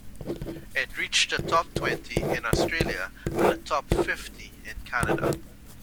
It reached the top twenty in Australia and the top fifty in Canada.